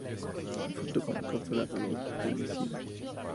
Fruto una cápsula loculicida.